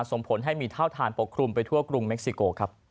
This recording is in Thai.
ส่งผลให้มีเท่าฐานปกครุ่มไปทั่วกรุงเม็สิโก